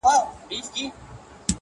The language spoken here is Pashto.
باطل پرستو په مزاج ډېره تره خه یم کنې,